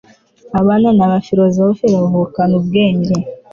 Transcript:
Abana nabafilozofe bavukana ubwenge